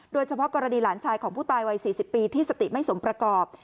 โดยเฉพาะกรณีหลานชายของผู้ตายวัย๔๐ปีที่สติไม่สมประกอบ